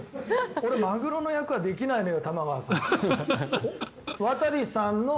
俺、マグロの役はできないのよ。